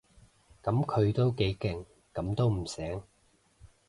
噉佢都幾勁，噉都唔醒